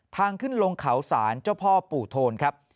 ทางขึ้นลงเขาสารเจ้าพ่อปู่โทนครับ